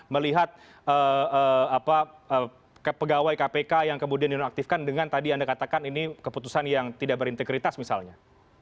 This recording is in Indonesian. melihat pegawai kpk yang kemudian dinonaktifkan dengan tadi anda katakan ini keputusan yang tidak berintegritas misalnya